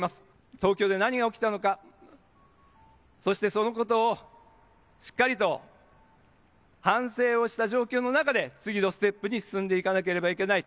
東京で何が起きたのか、そしてそのことをしっかりと反省をした状況の中で次のステップに進んでいかなければいけない。